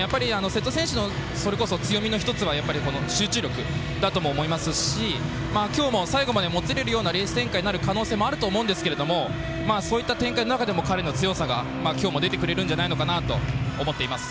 瀬戸選手のそれこそ強みの一つは集中力だと思いますしきょうも最後までもつれるようなレース展開になる可能性もあると思うんですけどもそういった展開の中でも彼の強さがきょうも出てくれるんじゃないかなと思っています。